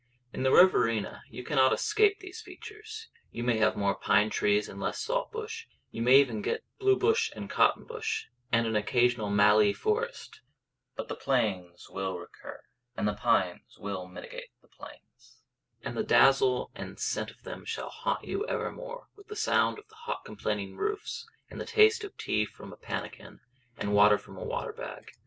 In the Riverina you cannot escape these features: you may have more pine trees and less salt bush; you may even get blue bush and cotton bush, and an occasional mallee forest; but the plains will recur, and the pines will mitigate the plains, and the dazzle and the scent of them shall haunt you evermore, with that sound of the hot complaining roofs, and the taste of tea from a pannikin and water from a water bag.